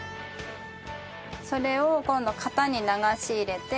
それを今度型に流し入れて。